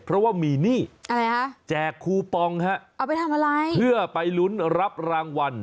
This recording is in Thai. เพราะว่ามีหนี้อะไรฮะแจกคูปองฮะเอาไปทำอะไรเพื่อไปลุ้นรับรางวัล